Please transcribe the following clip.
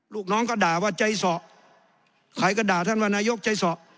ลูกน้องก็ด่าว่าใจสอใครก็ด่าท่านว่านายกใจสอ